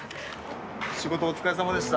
仕事お疲れさまでした。